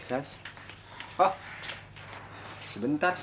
karena seorang perempuan buat kerja